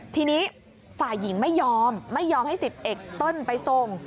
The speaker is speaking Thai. ทีนี้ฝ่ายหญิงไม่ยอมไม่ยอมให้๑๐เอกเติ้ลไปส่ง